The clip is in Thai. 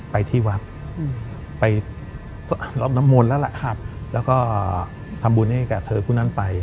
ไปที่วัดไปรับน้ำมนต์แล้วล่ะแล้วก็ทำบุญให้กับเธอผู้นั้นไป